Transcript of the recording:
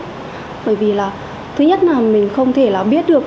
bởi vì là thứ nhất là mình không thể là biết được